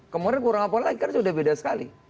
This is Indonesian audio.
kemudian kurang apa lagi kan sudah beda sekali